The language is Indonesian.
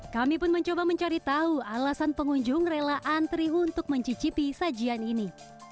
kami pun mencoba mencari tahu alasan pengunjung rela antri untuk mencicipi sajian ini